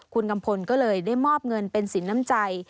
คุณกัมพลก็เลยได้มอบเงินเป็นสินน้ำใจ